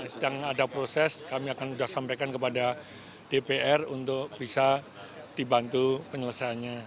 sedang ada proses kami akan sudah sampaikan kepada dpr untuk bisa dibantu penyelesaiannya